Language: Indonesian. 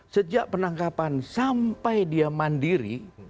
sejak penangkapan sampai dia mandiri